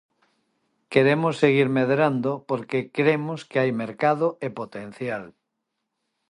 Queremos seguir medrando porque cremos que hai mercado e potencial...